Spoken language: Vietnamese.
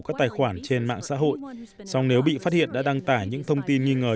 các tài khoản trên mạng xã hội song nếu bị phát hiện đã đăng tải những thông tin nghi ngờ